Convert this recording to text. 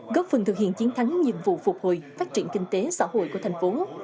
góp phần thực hiện chiến thắng nhiệm vụ phục hồi phát triển kinh tế xã hội của tp hcm